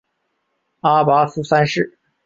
阿拔斯三世。